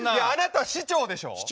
あなた市長でしょ！